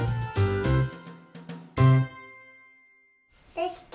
できた！